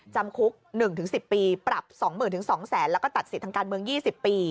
จำคุก๑๑๐ปีปรับ๒๐๐๐๒๐๐๐แล้วก็ตัดสิทธิ์ทางการเมือง๒๐ปี